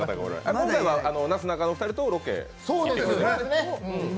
今回はなすなかのお二人とロケ？